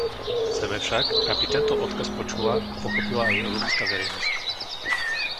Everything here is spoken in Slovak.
Chceme však, aby tento odkaz počula a pochopila aj európska verejnosť.